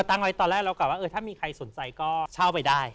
ตั้งไว้ตอนแรกเรากลับว่าถ้ามีใครสนใจก็เช่าไปได้